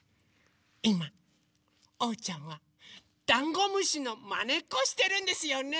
いまおうちゃんはダンゴムシのまねっこしてるんですよね。